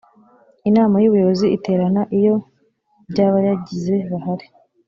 inama y ubuyobozi iterana iyo by abayigize bahari